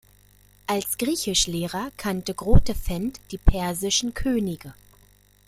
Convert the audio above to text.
Als Griechischlehrer kannte Grotefend die persischen Könige.